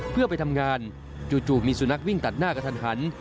เพื่อไปทำงานจู่มีสุนัขวิ่งตัดหน้ากระทันหัน